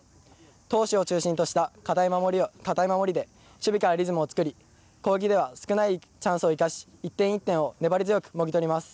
投手を中心とした堅い守りで守備からリズムを作り攻撃では少ないチャンスを生かし１点１点を粘り強くもぎ取ります。